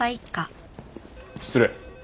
失礼。